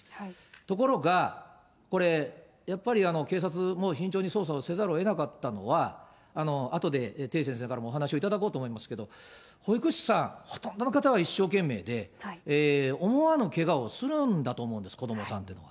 ところがこれ、やっぱり警察も慎重に捜査をせざるをえなかったのは、あとで、てぃ先生からもお話しいただこうと思いますが、保育士さん、ほとんどの方は一生懸命で、思わぬけがをするんだと思うんです、子どもさんっていうのは。